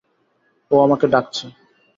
ও আমাকে ডাকছে।